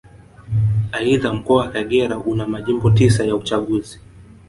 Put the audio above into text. Aidha Mkoa wa Kagera una Majimbo tisa ya uchaguzi